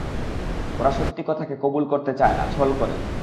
ওরা সত্যি কথাকে কবুল করতে চায় না, ছল করে।